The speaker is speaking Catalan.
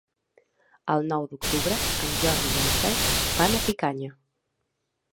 El nou d'octubre en Jordi i en Cesc van a Picanya.